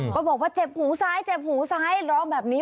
ก็บอกว่าเจ็บหูซ้ายเจ็บหูซ้ายร้องแบบนี้